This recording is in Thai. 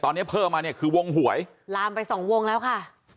ตอนนี้เพิ่มมาเนี่ยคือวงหวยลามไปสองวงแล้วค่ะ